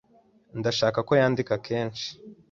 Ndashaka ko yandika kenshi.